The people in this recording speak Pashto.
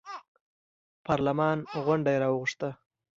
پارلمان غونډه یې راوغوښته.